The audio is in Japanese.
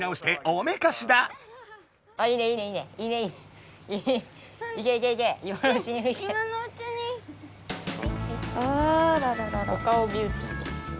お顔ビューティー。